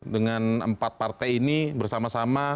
dengan empat partai ini bersama sama